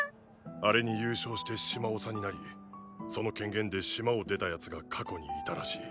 あれに優勝して島長になりその権限で島を出た奴が過去にいたらしい。